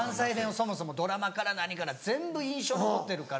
そもそもドラマから何から全部印象に残ってるから。